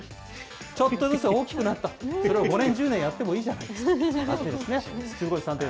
ちょっとずつ大きくなった、それを５年、１０年やってもいいじゃないか。